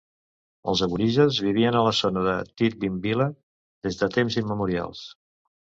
Els aborígens vivien a la zona de Tidbinbilla des de temps immemorials.